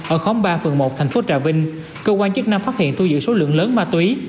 ở khóm ba phường một thành phố trà vinh cơ quan chức năng phát hiện thu giữ số lượng lớn ma túy